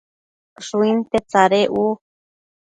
Shuinte tsadec u